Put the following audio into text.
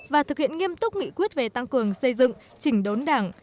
và thực hiện nghiêm túc nghị quyết về tăng cường xây dựng chỉnh đốn đảng